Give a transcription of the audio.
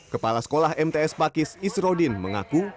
kepala sekolah mts pakis isrodin mengaku